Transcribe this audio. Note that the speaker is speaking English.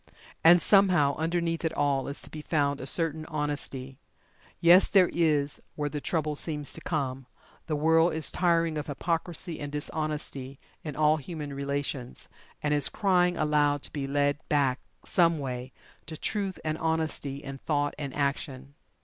And somehow, underneath it all is to be found a certain Honesty yes, there is where the trouble seems to come, the world is tiring of hypocrisy and dishonesty in all human relations, and is crying aloud to be led back, someway, to Truth and Honesty in Thought and Action.